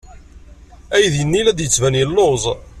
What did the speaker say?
Aydi-nni la d-yettban yelluẓ.